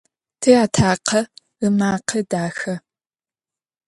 Тиатакъэ ымакъэ дахэ.